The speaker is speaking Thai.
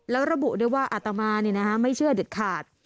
แล้วระบุได้ว่าอาตมาเนี่ยนะคะไม่เชื่อเด็ดขาด